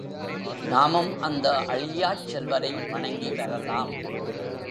நாமும் அந்த அழியாச் செல்வரை வணங்கி வரலாம்.